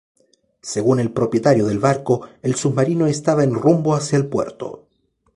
Según el propietario del barco, el submarino estaba en rumbo hacia el puerto.